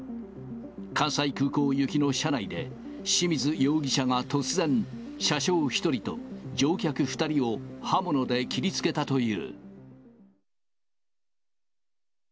関西空港行きの車内で、清水容疑者が突然、車掌１人と乗客２人を刃物で切りつけたという。